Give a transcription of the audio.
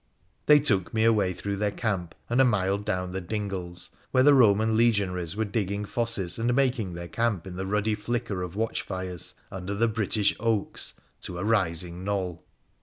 They took me away through their camp and a mile down the dingles, where the Eoman legionaries were digging fosses, and making their camp in the ruddy flicker of watch fires, under the British oaks, to a rising knoll.